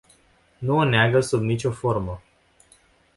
Nu o neagă sub nicio formă.